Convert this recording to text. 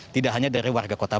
tidak hanya dari warga kota